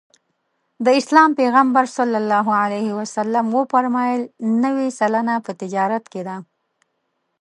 د اسلام پیغمبر ص وفرمایل نوې سلنه په تجارت کې ده.